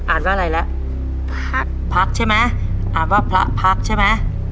ว่าอะไรแล้วพักใช่ไหมอ่านว่าพระพักใช่ไหม